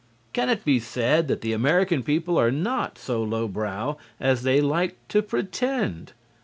Can it be said that the American people are not so low brow as they like to pretend?